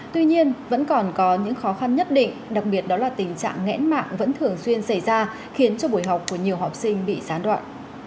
tuy nhiên vẫn còn có những khó khăn nhất định đặc biệt đó là tình trạng nghẽn mạng vẫn thường xuyên xảy ra khiến cho buổi học của nhiều học sinh bị gián đoạn